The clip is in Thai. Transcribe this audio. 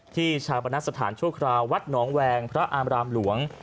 ชาปนสถานชั่วคราววัดหนองแวงพระอามรามหลวง